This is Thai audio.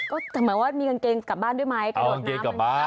ก็เหมือนว่ามีกางเกงกลับบ้านด้วยไหมก็เอากางเกงกลับบ้าน